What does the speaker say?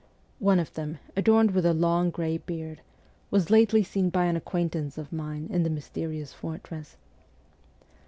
One of them, adorned with a long grey beard, was lately seen by an acquaintance of mine in the mysterious fortress.